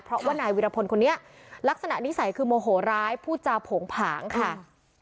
เพราะว่านายวิรพลคนนี้ลักษณะนิสัยคือโมโหร้ายพูดจาโผงผางค่ะ